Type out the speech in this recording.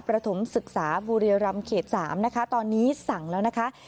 ประถมศึกษาภูริยรรรมเขตสามนะคะตอนนี้สั่งแล้วนะคะสั่ง